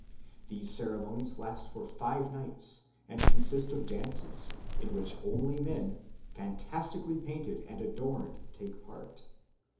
These ceremonies last for five nights and consist of dances, in which only men, fantastically painted and adorned, take part.